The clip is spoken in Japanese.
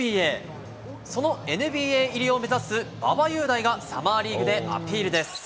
そのＮＢＡ入りを目指す、馬場雄大がサマーリーグでアピールです。